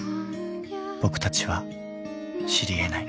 僕たちは知りえない。